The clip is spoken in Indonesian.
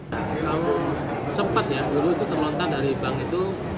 kalau cepat ya dulu itu terlontar dari bank itu